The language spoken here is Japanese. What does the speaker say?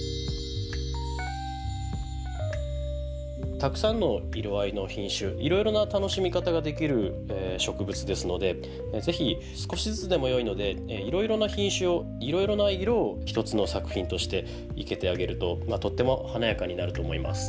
たくさんの色合いの品種いろいろな楽しみ方ができる植物ですので是非少しずつでもよいのでいろいろな品種をいろいろな色を一つの作品として生けてあげるととっても華やかになると思います。